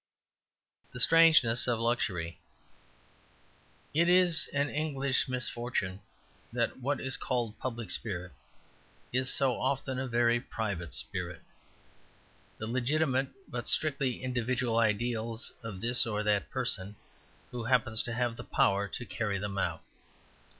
The Strangeness of Luxury It is an English misfortune that what is called "public spirit" is so often a very private spirit; the legitimate but strictly individual ideals of this or that person who happens to have the power to carry them out.